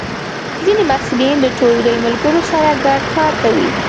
ځینې محصلین د ټولګی ملګرو سره ګډ کار کوي.